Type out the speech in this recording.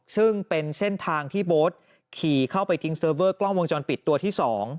ซึ่งเป็นเส้นทางที่โบ๊ทขี่เข้าไปทิ้งเซิร์ฟเวอร์กล้องวงจรปิดตัวที่๒